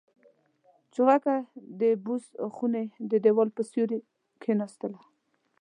چوغکه د بوس خونې د دېوال په سوري کې کېناستله.